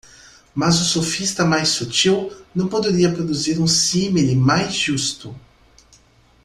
Mas o sofista mais sutil não poderia produzir um símile mais justo.